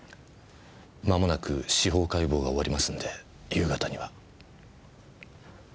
間もなく司法解剖が終わりますんで夕方には。